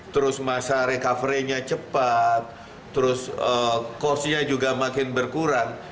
terus masa recovery nya cepat terus cost nya juga makin berkurang